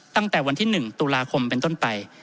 ตั้งแต่วันที่๑ตุลาคมเป็นต้นไป